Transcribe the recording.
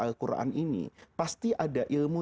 al quran ini pasti ada ilmu